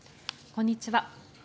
こんにちは。